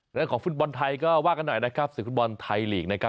เรื่องของฟุตบอลไทยก็ว่ากันหน่อยนะครับศึกฟุตบอลไทยลีกนะครับ